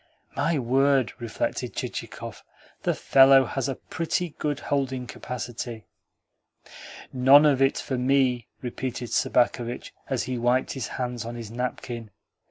"My word!" reflected Chichikov. "The fellow has a pretty good holding capacity!" "None of it for me," repeated Sobakevitch as he wiped his hands on his napkin.